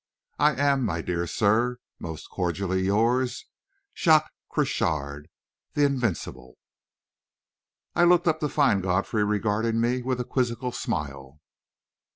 "I am, my dear sir, "Most cordially yours, "JACQUES CROCHARD, "L'Invincible!" I looked up to find Godfrey regarding me with a quizzical smile.